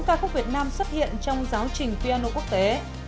ca khúc việt nam xuất hiện trong giáo trình piano quốc tế